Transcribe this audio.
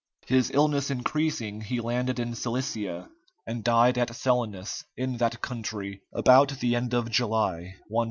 His illness increasing, he landed in Cilicia, and died at Selinus in that country about the end of July, 117.